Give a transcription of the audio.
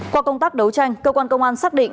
qua công tác đấu tranh cơ quan công an xác định